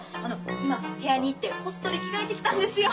今部屋に行ってこっそり着替えてきたんですよ。